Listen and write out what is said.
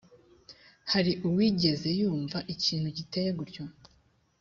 hari uwigeze yumva ikintu giteye gutyo